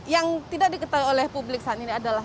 yang tidak diketahui oleh publik saat ini adalah